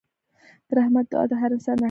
د رحمت دعا د هر انسان اړتیا ده.